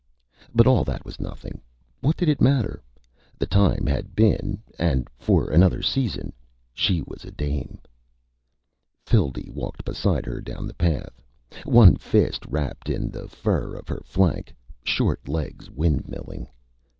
But all that was nothing. What did it matter? The Time had been, and for another season, she was a dam. Phildee walked beside her down the path, one fist wrapped in the fur of her flank, short legs windmilling.